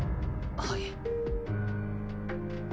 はい。